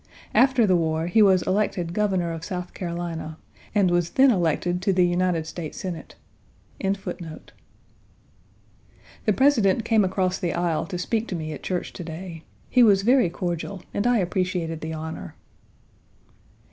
After the war, he was elected Governor of South Carolina and was then elected to the United States Senate. Page 48 The President came across the aisle to speak to me at church to day. He was very cordial, and I appreciated the honor.